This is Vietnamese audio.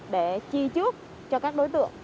để chi trước cho các đối tượng